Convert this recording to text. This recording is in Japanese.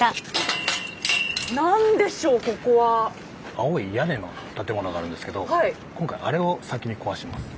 青い屋根の建物があるんですけど今回あれを先に壊します。